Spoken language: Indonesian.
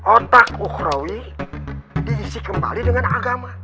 otak ukrawi diisi kembali dengan agama